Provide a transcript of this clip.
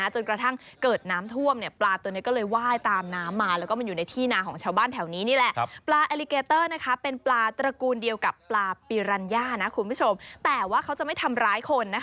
จนกระทั่งเกิดน้ำท่วมปลาตัวนี้ก็เลยว่ายตามน้ำมา